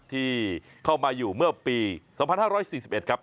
ที่เข้ามาอยู่เมื่อปี๒๕๔๑ครับ